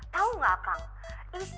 tau gak akan